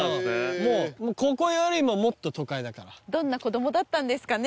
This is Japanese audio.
もうここよりももっと都会だからどんな子供だったんですかね？